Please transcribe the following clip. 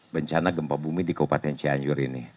bencana gempa bumi di kabupaten cianjur ini